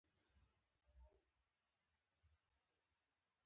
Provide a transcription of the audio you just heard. د اندازې د انتقال وسایل د اندازه کولو یو ډول افزار دي.